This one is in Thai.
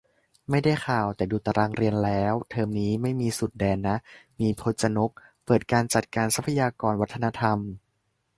ไม่ได้ข่าว แต่ดูตารางเรียนแล้ว เทอมนี้ไม่มีสุดแดนนะ มี พจนก เปิด 'การจัดการทรัพยากรวัฒนธรรม'